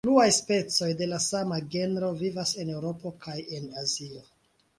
Pluaj specoj de la sama genro vivas en Eŭropo kaj en Azio.